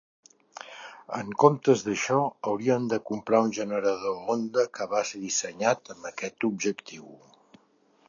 En comptes d'això, haurien de comprar un generador Honda que va ser dissenyat amb aquest objectiu.